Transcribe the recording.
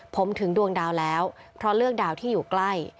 ผมถึงดวงดาวแล้วเพราะเลือกดาวที่อยู่ใกล้